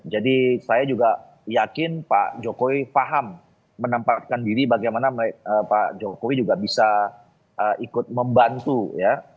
jadi saya juga yakin pak jokowi paham menempatkan diri bagaimana pak jokowi juga bisa ikut membantu ya